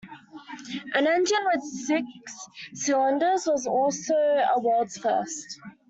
An engine with six cylinders was also a world's first.